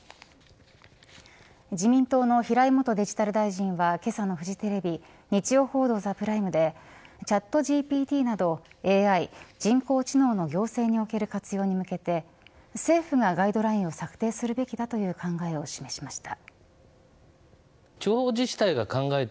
自民党の平井元デジタル大臣はけさのフジテレビ日曜報道ＴＨＥＰＲＩＭＥでチャットＧＰＴなどＡＩ、人工知能の行政における活用に向けて政府がガイドラインを策定するべきだという考えを示しました。